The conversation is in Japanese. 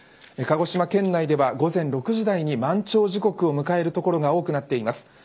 鹿児島県内では午前６時台に満潮時刻を迎える所が多くなっています。